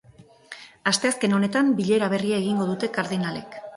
Asteazken honetan bilera berria egingo dute kardinalek.